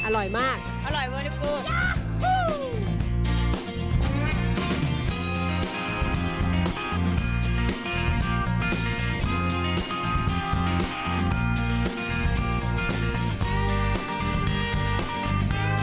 อร่อยค่ะ